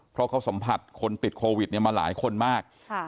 เพราะเขาสัมผัสคนติดโควิดมาหลายคนมาก